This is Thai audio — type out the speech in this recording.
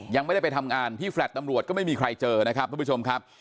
ยังไม่ได้ไปทำงานที่แฟลต์ตำรวจก็ไม่มีใครเจอนะครับทุกผู้ชมครับ